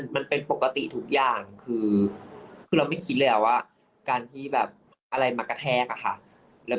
มันเป็นปกติทุกอย่างคือการที่มีแบบอะไรมักแกะแท้ก